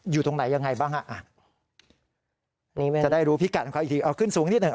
อยู่ตรงไหนยังไงบ้างฮะอ่ะจะได้รู้พิกัดของเขาอีกทีเอาขึ้นสูงนิดหนึ่ง